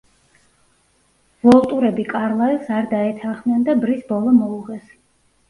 ვოლტურები კარლაილს არ დაეთანხმნენ და ბრის ბოლო მოუღეს.